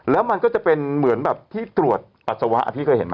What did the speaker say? แล้วมันก็จะเป็นเหมือนแบบที่ตรวจปัสสาวะพี่เคยเห็นไหม